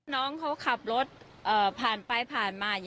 น้องเขาขับรถผ่านไปผ่านมา